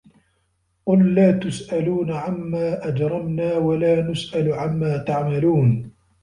قُل لا تُسأَلونَ عَمّا أَجرَمنا وَلا نُسأَلُ عَمّا تَعمَلونَ